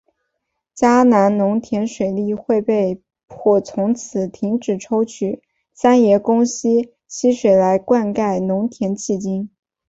嘉南农田水利会也被迫从此停止抽取三爷宫溪溪水来灌溉农田迄今。